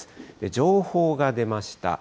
情報が出ました。